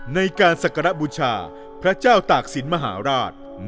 ในการศักรบุญค่าพระเจ้าตากสินมหาราช